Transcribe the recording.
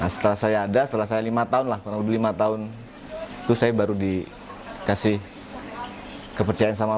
setelah saya ada setelah saya lima tahun lah kurang lebih lima tahun itu saya baru dikasih kepercayaan sama